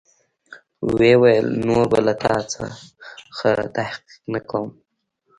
ويې ويل نور به له تا څخه تحقيق نه کوم.